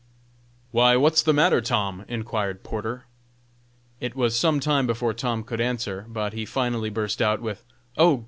"Why! what's the matter, Tom?" inquired Porter. It was some time before Tom could answer, but he finally burst out with: "Oh!